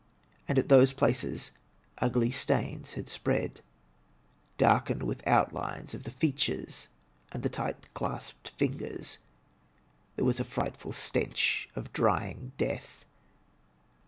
And at those places ugly stains had spread, darkened with outlines of the features and of the tight dasped fingers. There was a frightful stench of dr3dng death.